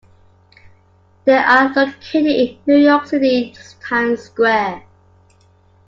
They are located in New York City's Time Square.